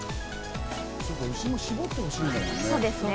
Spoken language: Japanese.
牛も絞ってほしいんだもんね。